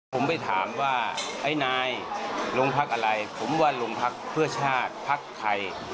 ผมไปถามว่าไอ้นายโรงพักอะไรผมว่าโรงพักเพื่อชาติพักไทย